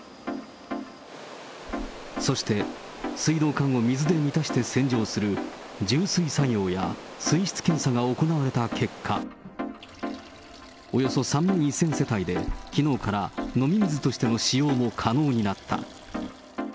そして水道管を水で満たして洗浄する、充水作業や水質検査が行われた結果、およそ３万１０００世帯で、きのうから飲み水としての使用も可能になった。